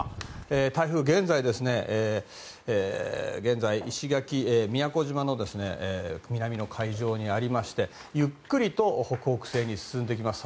台風、現在石垣島、宮古島の南の海上にありましてゆっくりと北北西に進んできます。